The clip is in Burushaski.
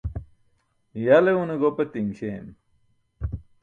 Ya le une gopatiṅ śeem.